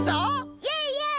イエイイエイ！